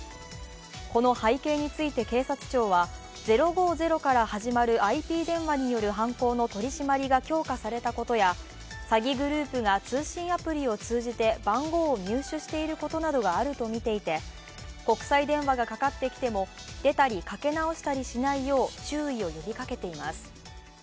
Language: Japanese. この背景について警察庁は０５０から始まるＩＰ電話による犯行の取締りが強化されたことや詐欺グループが通信アプリを通じて番号を入手していることなどがあるとみていて国際電話がかかってきても出たり、かけ直したりしないよう注意を呼びかけています。